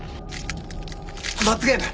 罰ゲーム。